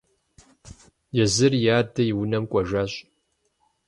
Езыр и адэ и унэм кӀуэжащ.